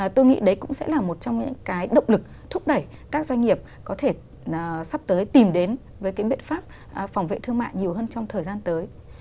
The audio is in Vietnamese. tôi nghĩ đấy cũng sẽ là một trong những cái động lực thúc đẩy các doanh nghiệp có thể sắp tới tìm đến với cái biện pháp phòng vệ thương mại nhiều hơn trong thời gian tới